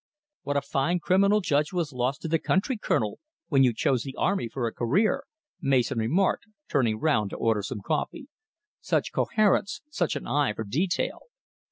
"What a fine criminal judge was lost to the country, Colonel, when you chose the army for a career," Mason remarked, turning round to order some coffee. "Such coherence such an eye for detail.